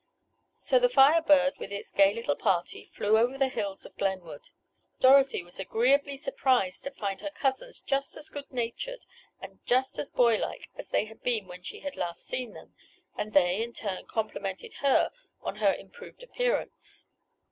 So the Fire Bird, with its gay little party, flew over the hills of Glenwood. Dorothy was agreeably surprised to find her cousins just as good natured and just as boy like as they had been when she had last seen them, and they, in turn, complimented her on her improved appearance.